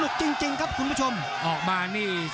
ภูตวรรณสิทธิ์บุญมีน้ำเงิน